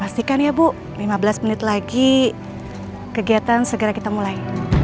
sekarang kita mulai